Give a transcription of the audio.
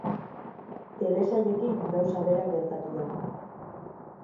Telesailekin gauza bera gertatu da.